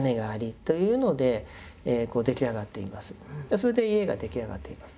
それで家が出来上がっています。